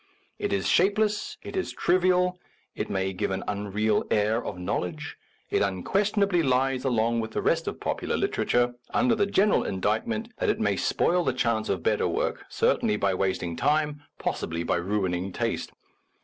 It is shapeless, it is trivial, it may give an unreal air of knowl edge, it unquestionably lies along with the rest of popular literature under the general indictment that it may spoil the chance of better work, certainly by wasting time, possibly by ruining taste.